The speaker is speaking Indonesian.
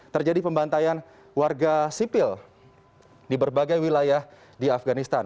terjadi pembantaian warga sipil di berbagai wilayah di afganistan